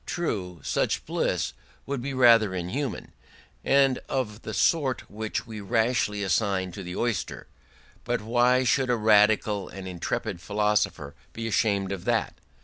True, such bliss would be rather inhuman, and of the sort which we rashly assign to the oyster: but why should a radical and intrepid philosopher be ashamed of that?